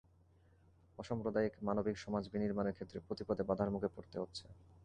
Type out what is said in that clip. অসাম্প্রদায়িক, মানবিক সমাজ বিনির্মাণের ক্ষেত্রে প্রতি পদে বাধার মুখে পড়তে হচ্ছে।